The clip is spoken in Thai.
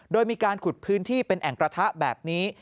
โดยมีการขุดพื้นที่เป็นแอ่งกระทะแบบนี้